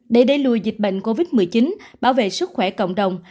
để đẩy lùi dịch bệnh covid một mươi chín bảo vệ sức khỏe cộng đồng